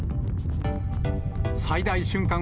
最大瞬間